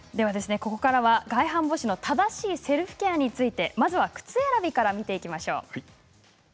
ここからは外反母趾の正しいセルフケアについてまず靴選びから見ていきます。